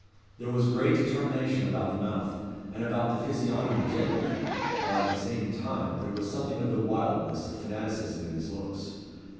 There was great determination about the mouth, and about the physiognomy generally, while at the same time there was something of the wildness of fanaticism in his looks.